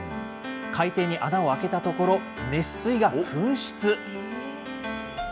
海底に穴を開けたところ、熱水が噴出。